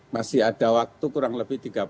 masih ada waktu kurang lebih